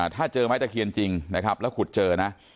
ถ้าเจอไม้ตะเคียนจริงนะครับแล้วขุดเจอนะ